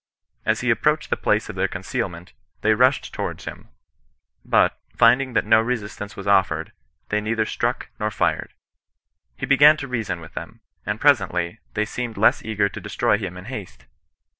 As he approached the place of their concealment, they rushed towards him ; but, finding that no resistance was offered, they neither struck nor fired. He began to rea son with them ; and, presently, they seemed less eager to destroy him in haste.